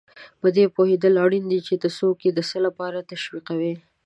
په دې پوهېدل اړین دي چې ته څوک د څه لپاره تشویقوې.